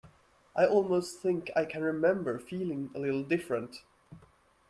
I almost think I can remember feeling a little different.